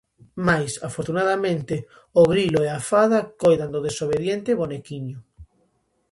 Mais, afortunadamente, o Grilo e a Fada coidan do desobediente bonequiño...